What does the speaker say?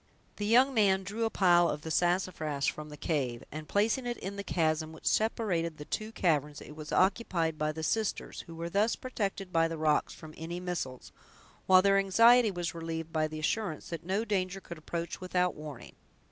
The young man drew a pile of the sassafras from the cave, and placing it in the chasm which separated the two caverns, it was occupied by the sisters, who were thus protected by the rocks from any missiles, while their anxiety was relieved by the assurance that no danger could approach without a warning.